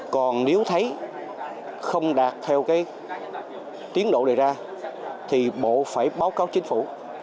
còn nếu thấy không đạt theo cái tiến độ đề ra thì bộ phải báo cáo chính phủ